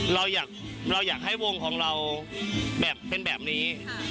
เราอยากให้วงของเราแบบเป็นแบบนี้